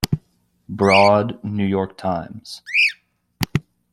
Broad, New York Times.